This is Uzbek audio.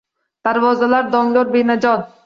Darvozalar dongdor, benajot